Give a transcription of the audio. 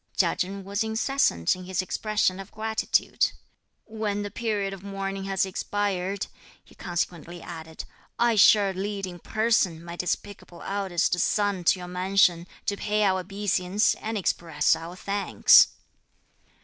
Chia Chen was incessant in his expression of gratitude. "When the period of mourning has expired," he consequently added, "I shall lead in person, my despicable eldest son to your mansion, to pay our obeisance, and express our thanks."